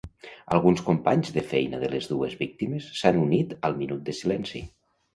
Alguns companys de feina de les dues víctimes s'han unit al minut de silenci.